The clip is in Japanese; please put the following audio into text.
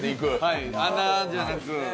穴じゃなく。